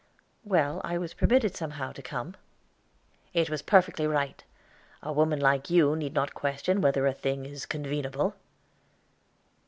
"Well; I was permitted somehow to come." "It was perfectly right. A woman like you need not question whether a thing is convenable."